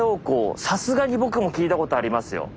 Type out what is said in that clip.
さすがに僕も聞いたことありますよ。